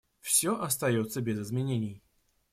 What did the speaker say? Все остается без изменений.